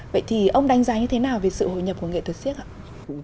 vậy thì ông đánh giá như thế nào về sự hội nhập của nghệ thuật siếc ạ